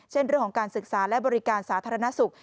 เรื่องของการศึกษาและบริการสาธารณสุข